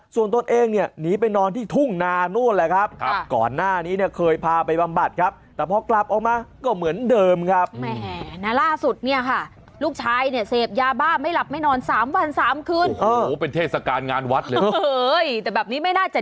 เบิร์ตลมเสียโอ้โหเบิร์ตลมเสียโอ้โหเบิร์ตลมเสียโอ้โหเบิร์ตลมเสียโอ้โหเบิร์ตลมเสียโอ้โหเบิร์ตลมเสียโอ้โหเบิร์ตลมเสียโอ้โหเบิร์ตลมเสียโอ้โห